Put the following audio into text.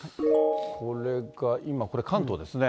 これが今、これ、関東ですね。